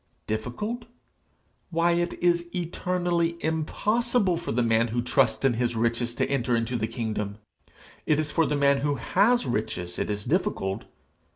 Difficult? Why, it is eternally impossible for the man who trusts in his riches to enter into the kingdom! it is for the man who has riches it is difficult.